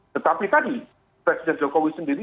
tetapi tadi presiden jokowi